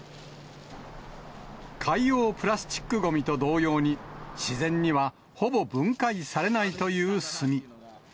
海洋プラスチックごみと同様に、自然にはほぼ分解されないという炭。